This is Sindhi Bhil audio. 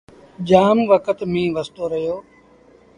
جآم وکت ميݩهن وستو رهيو۔